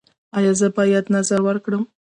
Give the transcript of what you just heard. ایا زه باید نذر ورکړم؟